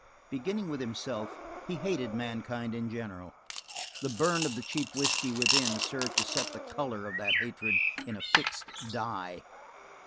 Beginning with himself, he hated mankind in general; the burn of the cheap whisky within served to set the color of that hatred in a fixed dye.